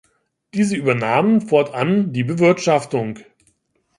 Diese übernahmen fortan die Bewirtschaftung.